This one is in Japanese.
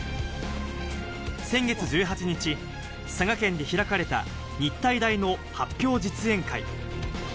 先月１８日、佐賀県で開かれた、日体大の発表実演会。